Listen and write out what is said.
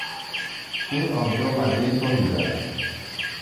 این آبجو مزهی تندی دارد.